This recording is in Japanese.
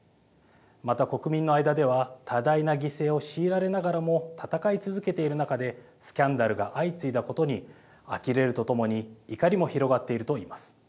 また国民の間では多大な犠牲を強いられながらも戦い続けている中でスキャンダルが相次いだことにあきれるとともに怒りも広がっていると言います。